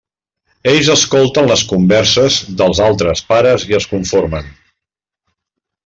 Ells escolten les converses dels altres pares i es conformen.